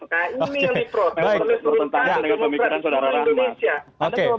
itu bertentangan dengan pemikiran saudara saudara indonesia